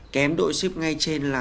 kém đội xếp ngay trên là